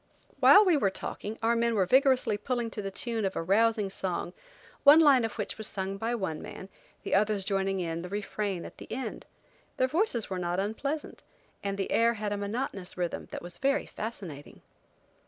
While we were talking our men were vigorously pulling to the time of a rousing song, one line of which was sung by one man, the others joining in the refrain at the end. Their voices were not unpleasant, and the air had a monotonous rhythm that was very fascinating.